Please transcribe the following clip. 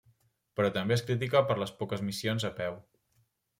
Però també es critica per les poques missions 'a peu'.